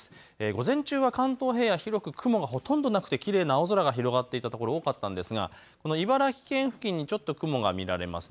午前中、関東平野は広く雲がほとんどなくきれいな青空が広がっていたところが多かったですが茨城県付近にちょっと雲が見られます。